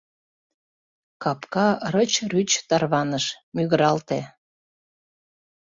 Капка рыч-рӱч тарваныш, мӱгыралте.